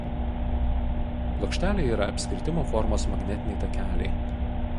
Plokštelėje yra apskritimo formos magnetiniai takeliai.